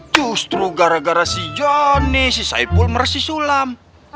justru gara gara si jonny si saipul meres si sulam